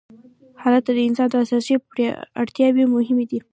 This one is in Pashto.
هلته د انسان اساسي اړتیاوې مهمې دي.